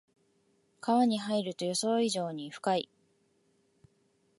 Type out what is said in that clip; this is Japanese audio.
川に入ると予想以上に深い